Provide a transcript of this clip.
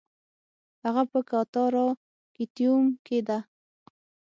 هغه په کاتاراکتیوم کې ده